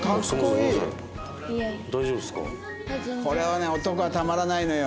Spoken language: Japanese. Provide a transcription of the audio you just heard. これはね男はたまらないのよ。